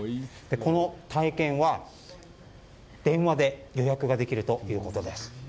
この体験は、電話で予約ができるということです。